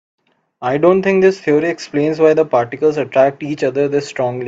I don't think this theory explains why the particles attract each other this strongly.